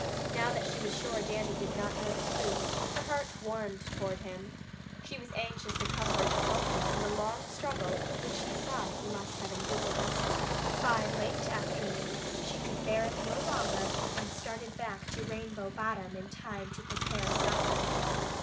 Now that she was sure Dannie did not know the truth, her heart warmed toward him. She was anxious to comfort and help him in the long struggle which she saw that he must have endured. By late afternoon she could bear it no longer and started back to Rainbow Bottom in time to prepare supper.